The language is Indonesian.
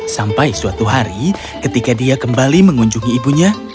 sampai suatu hari ketika dia kembali mengunjungi ibunya